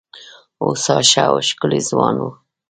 هوسا ښه او ښکلی ځوان وو.